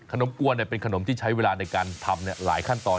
มกวนเป็นขนมที่ใช้เวลาในการทำหลายขั้นตอน